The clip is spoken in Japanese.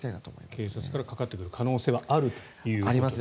警察からかかってくる可能性はあるということですね。